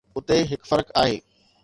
اتي هڪ فرق آهي.